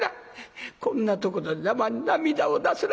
こんなとこで涙を出すな。